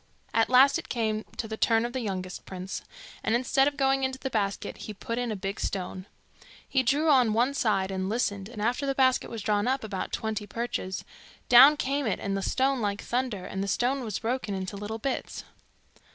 At last it came to the turn of the youngest prince, and instead of going into the basket he put in a big stone. He drew on one side and listened, and after the basket was drawn up about twenty perches, down came it and the stone like thunder, and the stone was broken into little bits.